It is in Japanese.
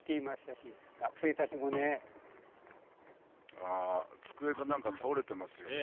ああ机かなんか倒れてますよね。